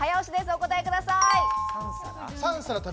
お答えください。